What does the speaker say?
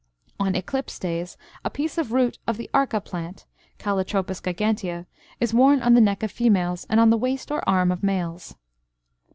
On eclipse days, a piece of root of the arka plant (Calotropis gigantea) is worn on the neck of females, and on the waist or arm of males.